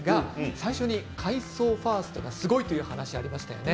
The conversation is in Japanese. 最初に海藻ファーストがすごいという話がありましたよね。